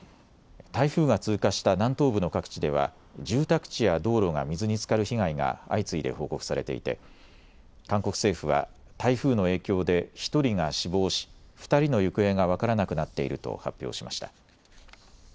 台風は通過した南東部の各地では住宅地や道路が水につかる被害が相次いで報告されていて韓国政府は台風の影響で１人が死亡し２人の行方が分からなくなっていると発表しました。